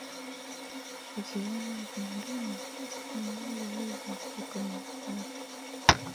Ukivona dhinduna basi hambari huva iko nyuma ake.